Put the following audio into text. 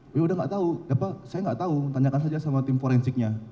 ya udah gak tahu ya pak saya gak tahu tanyakan saja sama tim forensiknya